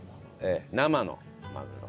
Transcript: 生のマグロ。